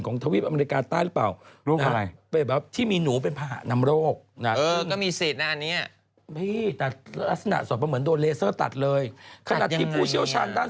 ทวีปอเมริกาใต้หรือเปล่า